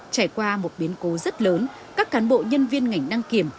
trải qua một biến cố rất lớn các cán bộ nhân viên ngành đăng kiểm